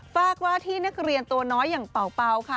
ฝากว่าที่นักเรียนตัวน้อยอย่างเป่าค่ะ